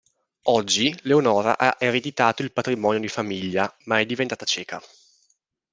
Oggi, Leonora ha ereditato il patrimonio di famiglia ma è diventata cieca.